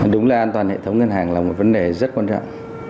đúng là an toàn hệ thống ngân hàng là một vấn đề rất quan trọng